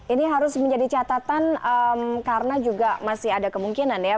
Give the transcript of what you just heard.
ini harus menjadi catatan karena juga masih ada kemungkinan ya